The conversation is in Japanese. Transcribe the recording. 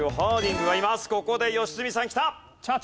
ここで良純さんきた！